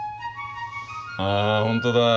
あ本当だ。